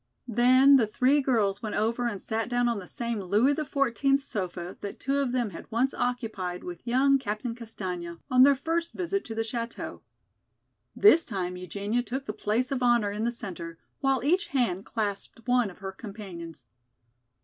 Then the three girls went over and sat down on the same Louis XIV sofa that two of them had once occupied with young Captain Castaigne, on their first visit to the chateau. This time Eugenia took the place of honor in the center, while each hand clasped one of her companions.